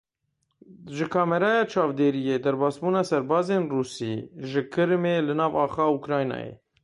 Ji kameraya çavdêriyê derbasbûna serbazên Rûsî ji Kirimê li nav axa Ukraynayê.